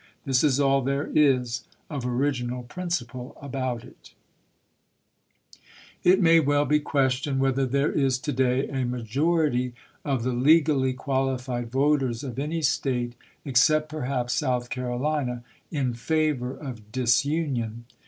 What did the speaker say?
This is all there is of original prin ciple about it. .. 374 ABRAHAM LINCOLN Chap. XXI. It may well be questioned whether there is, to day, a majority of the legally qualified voters of any State, ex cept perhaps South Carolina, in favor of disunion.